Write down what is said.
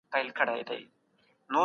دغه کتاب یوه لویه او مهمه مقدمه لري.